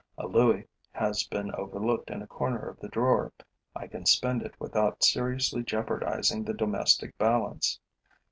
A louis has been overlooked in a corner of the drawer. I can spend it without seriously jeopardizing the domestic balance.